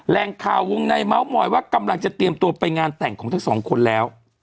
แรงข่าววงในเมาส์มอยว่ากำลังจะเตรียมตัวไปงานแต่งของทั้งสองคนแล้ว